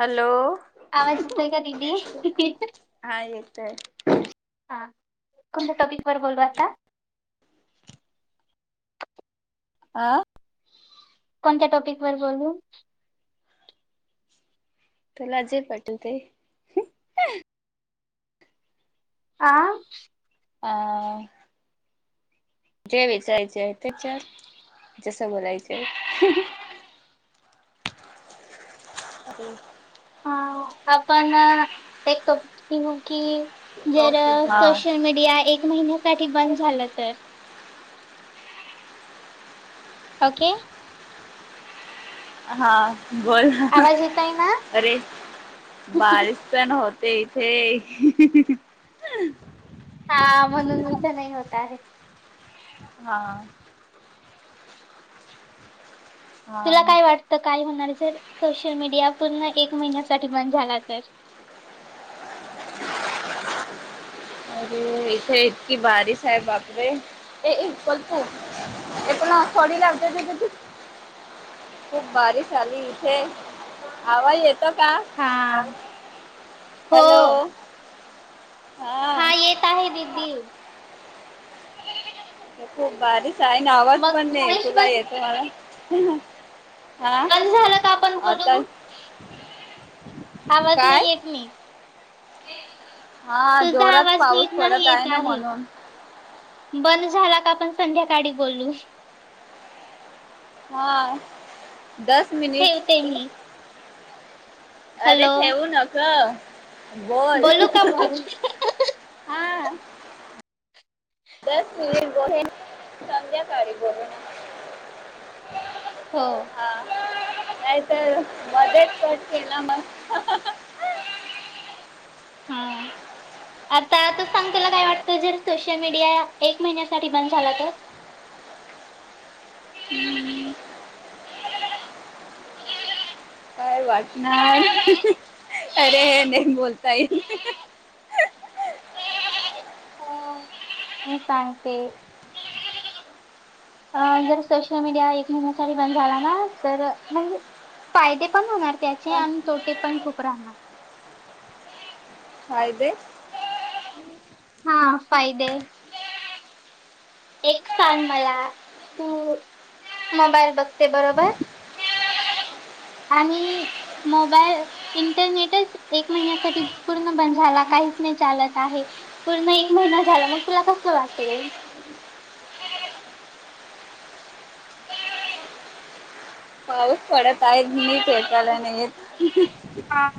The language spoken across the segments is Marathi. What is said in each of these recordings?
हॅलो आवाज काय का दिीदी हा येतोय हा कोणत्या टॉपिक वर बोलू आता आह कोणत्या टॉपिक वर बोलू त्याला जे पाटल ते आं अ जे विचारयचे आहे ते चार जस बोलायचे आहे आणि ह आपण एक त की जर हा सोशल मीडिया एक महिन्यासाठी बंद झालं तर ओके हा बोल आवाज येत आहे ना अरे बारीश पण होते इथे हा म्हणून उद्ध नाही होत आहे हा हा तुला काय वाटतं काय होणार जर सोशल मीडिया पूर्ण एक महिन्यासाठी बण झाला तर अरे इथे इतकी बारिश आहे बापरे ते इक्वलपू एक पण थॉडी लागते त कती खूप बारीच आली इथे आवाज येतो का हा हो हॅलो हा काही ददी खूप बारीच आहे ना आवाज मग पण नाही गणेश खुला बंद येतो मला हा बंद झालं का आपण आता बोलू आवाज काय नाही येत मी हा तुझा जोरात आवाज पाऊस नट पडत नाही येत ना आहे म्हणून बंद झाला का आपण संध्याकाळी बोलू हा दस मिनिट ते अरे ठेवू नक बोल बोलू का मग हा दस मिनिट बोहे संध्याकाळी बोहिणा हो हा नाही तर मध्येत कट केलं मग हम्म आता त सांग त्याला काय वाटतं जर सोशल मीडिया एक महिन्यासाठी बंद झाला तर हम्म काय वाटणार अरे नाही बोलता येईल हट अं जर सोशल मीडिया एक महिन्यासाठी बंद झाला ना तर म्हणजे फायदे पण होणार त्याचे काय आणि तोटे पण खूप राहणार हा तेे हा फादे एक सथान मला तू मोबाईल बघते बरोबर आणि मोबाईल इंटरनेटच एक महिन्यासाठी पूर्ण बंद झाला काहीच नाही चालत आहे पूर्ण एक महिना झाला मग तुला कसं वाटते पाऊस पडत आहेती फेकायला नाहीेत हा.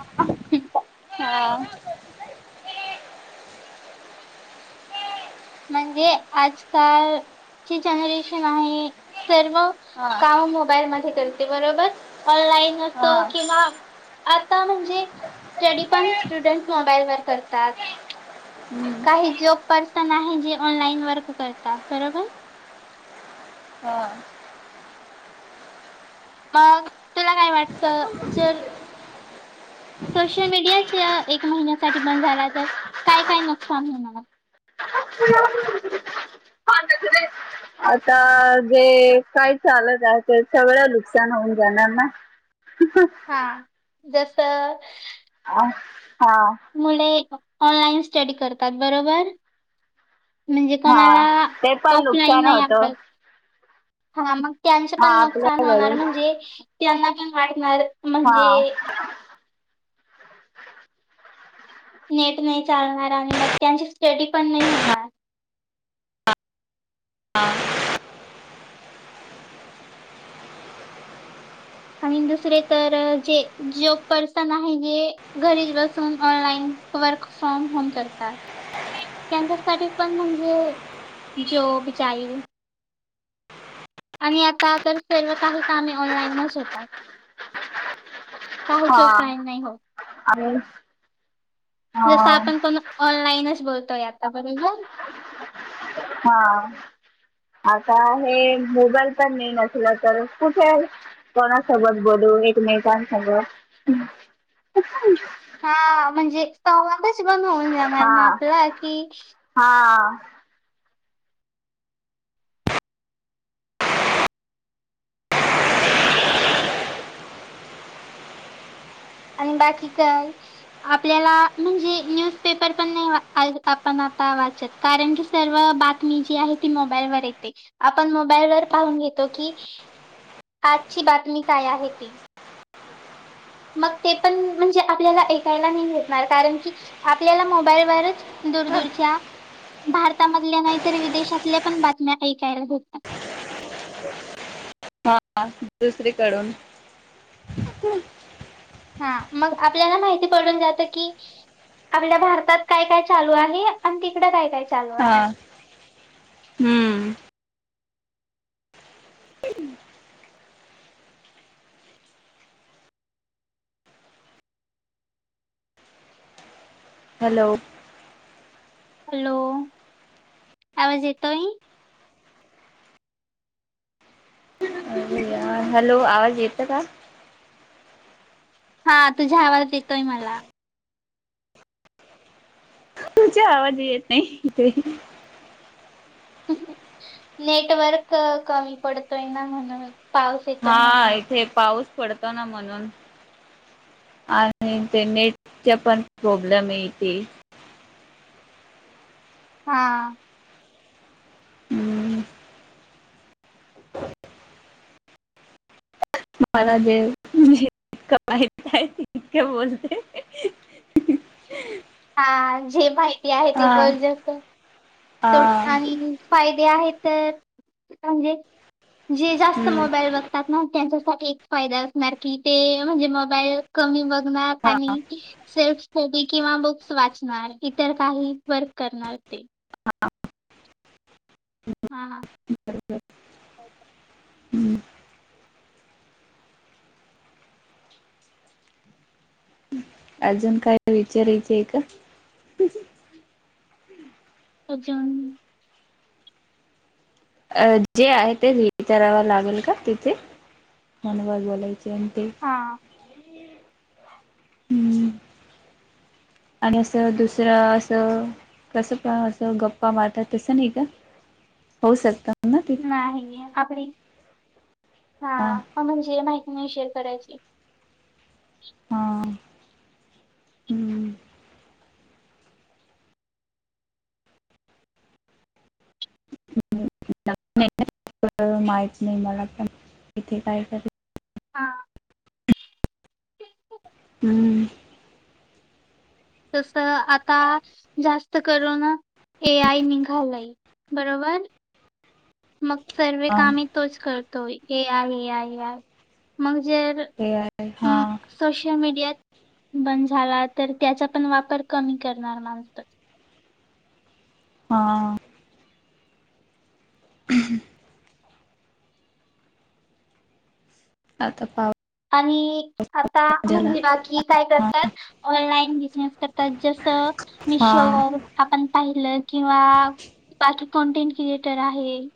हा म्हणजे आजकालची जनरेशन आहे सर्व हा काम मोबाईल म करते बरोबर ऑनलाईन हा असतो किंवा आता म्हणजे स्टडी पण स्टुडंट मोबाईलवरर करतात हम्म, काही जॉब पर्सन आहे जे ऑनलाईइन वर्क करतात बरोबर हा मग तुला काय वाटत जर सोशल मीडिया एक महिन्यासाठी बंद झाला. तर काय काय नुकसान आहे मला [inaudible] आता जे काय चालत आहे. ते सगळं नुकसान होऊन जाणार ना ह [unintelligible] हा जस हा हा मुळे ऑनलाईन स्टडी करतात. बरोबर म्हणजे हा कोणाला ते पण ऑफलाईन नुकसान नाही. होत आपल हा मग त्यांच हा पण नुकसान होणार आपल्याकडे म्हणजे त्यांना पण वाटणार हा म्हणजे नेट नाही चालणार आणि मग त्यांची स्टडी पण नाही. होणार हा आणि दुसरे तर जे जॉब पर्सन आहे. जे घरीच बसून ऑनलाइन वर्क फ्रॉम होम करतात. त्यांच्यासाठी पण म्हणजे जॉब जाईल आणि आता तर सर्व काही कामे ऑनलाईनच होतात. काहीच हा ऑफलाईन नाही होत आणि जस हा आपण पण ऑनलाईनच बोलतोय आता बरोबर हा आता हे मोबाईल पण नाही. नसलं तर कुठे आहे. कोणासोबत बोलू एकमेकांसोबत हा म्हणजे एक संवाद बंद होऊन जाणार ना आपला की हां आणि बाकी काय आपल्याला म्हणजे न्यूजपेपर पण नाही आपण आता वाचंत कारण की सर्व बातमी जी आहे ती मोबाईलवर येते. आपण मोबाईलवर पाहून घेतो. की आजची बातमी काय आहे ती मग ते पण म्हणजे आपल्याला ऐकायला नाही भेटणार कारण की आपल्याला मोबाईलवरच दूर दूरच्या भारतामधल्या नाही तर विदेशातल्या पण बातम्या ऐकायला भेटतात हा दुसरीकडून हा मग आपल्याला माहिती पडून जाते की आपल्या भारतात काय काय चालू आहे. आणि तिकडं काय काय चालू हा आहे. हम्म हॅलो हॅलो आवाज येतोय? हॅलो आवाज येतो का? हा तुझाआवाज येतोय मला तुझ आवाज येत नाही इथे नेटवर्क कमी पडतोय ना म्हणून पाऊस येतोय हा म्हणून. इथे पाऊस पडतो ना म्हणून आणि ते नेटचे पण प्रॉब्लेम येते. हा हम्म, मला दे म्हणजे जितकं माहित आहे तितकं बोलते हा जे माहिती आहे ते हा बोल जा तर हा आणि फायदे आहेत. तर म्हणजे जे जास्त हम्म, मोबाईल बघतात. ना त्यांच्यासाठी एक फायदा असणार की ते म्हणजे मोबाईल कमी बघणार हा आणि सेल्फ स्टडी किंवा बुक्स वाचणार इतर काही वर्क करणार ते हा हा बर हं अजून काय विचारायचे आहे का? अजुन अ जे आहे ते विचाराव लागेल का तिथे फोन वर बोलायचे आणि ते हां हम्म. आणि असं दुसरं असं कसं पण असं गप्पा मारतात तसं नाही का? होऊ शकतात ना. तिथे ह [unintelligible] [inaudible] अ हा म्हणजे माहिती नाही शेअर करायची हा हं माहित नाही मला पण इथे काय कर? हा हं... तस आता जास्त करून ए आय निघालय.... बरोबर.... मग सर्वे हा कामही तोच करतोय आय ये आ आय मग जर... ए आय हा... सोशल मीडिया बंद झाला तर त्याचा पण वापर कमी करणार माणस.... हा.. ह... आता पा.. आणि आता म्हणजे बाकी काय हा करतात? ऑनलाईन बिझनेस करतात..... जसं हा मिशोवर आपण पाहिलं किंवा पाच कॉनटेंट क्रिएटर आहे....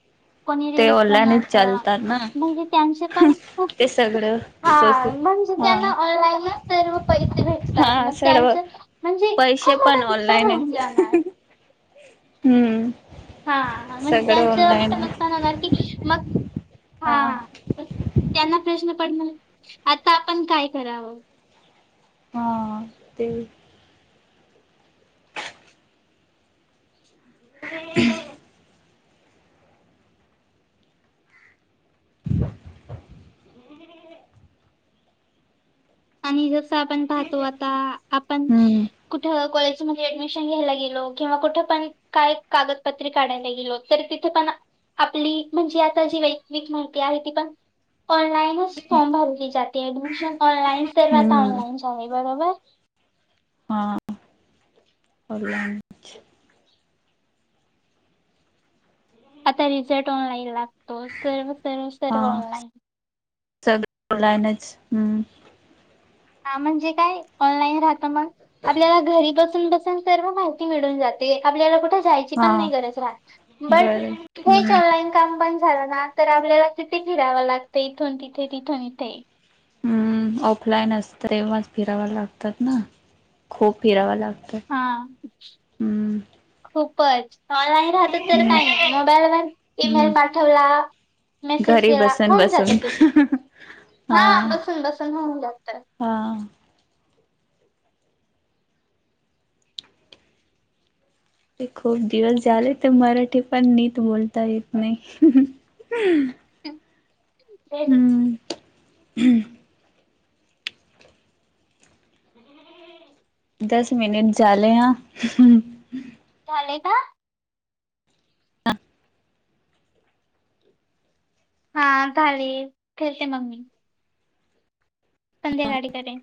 कोणी ते रिल्स ओल्यानेच बनवत चालतात ना म्हणजे त्यांचे पण खुप... ते सगळं... हा सोस म्हणजे हा त्यांना ऑनलाईन सर्व पैसे भेटतात हा मग सर्व त्यांच..... म्हणजे पैसे खूप पण मोठं नुकसान ऑनलाईनच होऊन जाणार.... हं.... हा म्हणजे त्यांचं मोठं आहे नुकसान होणार की मग हा.... त्यांना प्रश्न पडणार आता आपण काय करावं? हा ते... [unintelligible] आणि जसं आपण पाहतो आता आपण.... हम्म कुठं कॉलेजमध्ये ऍडमिशन घ्यायला गेलो किंवा कुठं पण.... काय कागदपत्रे काढायला गेलो. तरी तिथे पण..... आपली म्हणजे आता जी वैयक्तीक माहिती आहे ती पण..... ऑनलाइनच फॉर्म भरली जाते ऍडमिशन ऑनलाइन सर्व आता हम्म ऑनलाइन चालेल बरोबर.... ऑनलाईन.... आता रिझल्ट ऑनलाईन लागतो. सर्व सर्व हा सर्व ऑनलाईन.... सगळं ऑनलाईनच हं..... हा म्हणजे काय? ऑनलाईन राहत मग आपल्याला घरी बसून बसून... सर्व माहिती मिळुन जाते आपल्याला कुठ जायची.... गरज हा नाही राहत गरज हम्म ऑनलाईन..... काम पण झाला ना तर आपल्याला किती फिरावं लागतं इथून तिथे तिथून इथे.... हं ऑफलाईन असत तेव्हाच फिराव लागतात ना खूप फिरावं लागतं.... हा खूपच.... ऑनलाईन राहत तर काही नाही मोबाईल व हम्म ईमेल पाठवला..... मेसेज घरी केला बसून होऊन जात बसून तिथ हा बसून बसून होऊन जात.... हा.... ते खूप दिवस झाले तर मराठी पण नीट बोलता येत नाही.... ह.... हम्म.... दस मिनिट झाले ह.... झाले का हा झाले ठेवते मग मी.... संध्याकाळी करेन.....